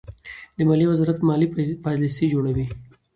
د مالیې وزارت مالي پالیسۍ جوړوي.